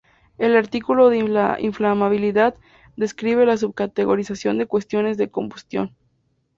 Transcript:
El artículo de Inflamabilidad describe la sub-categorización de cuestiones de combustión.